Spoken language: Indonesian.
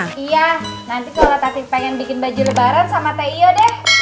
iya nanti kalau tati pengen bikin baju lebaran sama teio deh